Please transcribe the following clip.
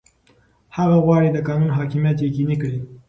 هغه غواړي د قانون حاکمیت یقیني کړي.